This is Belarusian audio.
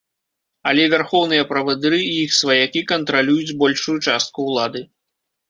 Але вярхоўныя правадыры і іх сваякі кантралююць большую частку ўлады.